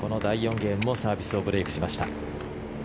ゲームもサービスをブレークしました。